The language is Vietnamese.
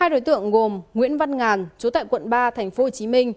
hai đối tượng gồm nguyễn văn ngàn chú tại quận ba tp hcm